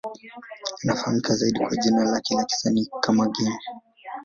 Anafahamika zaidi kwa jina lake la kisanii kama Game.